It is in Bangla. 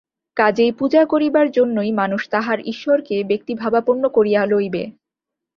কাজেই পূজা করিবার জন্যই মানুষ তাহার ঈশ্বরকে ব্যক্তিভাবাপন্ন করিয়া লইবে।